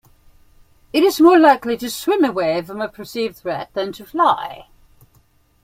It is more likely to swim away from a perceived threat than to fly.